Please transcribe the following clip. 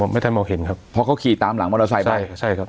ไม่ทันมองเห็นครับเพราะเขาขี่ตามหลังมอเตอร์ไซค์ไปใช่ครับ